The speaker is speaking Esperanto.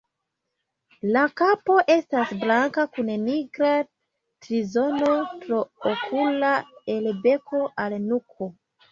La kapo estas blanka kun nigra strizono traokula el beko al nuko.